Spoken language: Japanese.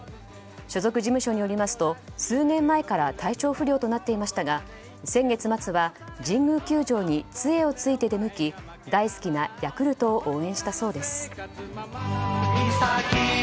所属事務所によりますと数年前から体調不良となっていましたが先月末は神宮球場に杖を突いて出向き大好きなヤクルトを応援したそうです。